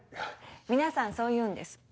皆さんそう言うんです。